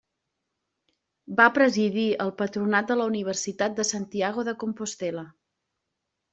Va presidir el Patronat de la Universitat de Santiago de Compostel·la.